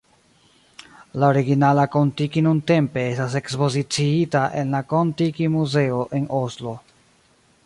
La originala Kon-Tiki nuntempe estas ekspoziciita en la Kon-Tiki Muzeo en Oslo.